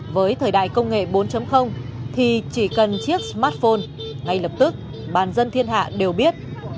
với thời đại công nghệ bốn thì chỉ cần chiếc smartphone ngay lập tức bàn dân thiên hạ đều biết